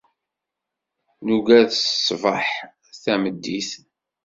Nugad ṣṣbaḥ, tameddit.